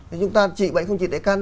thì chúng ta trị bệnh không trị đại căn